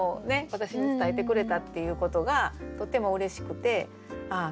私に伝えてくれたっていうことがとってもうれしくてああ